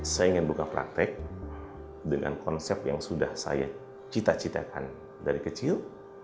saya ingin buka praktek dengan konsep yang sudah saya cita citakan dari kecil